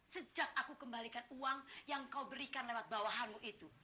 sejak aku kembalikan uang yang kau berikan lewat bawahanmu itu